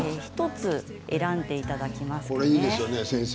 １つ選んでいただきます。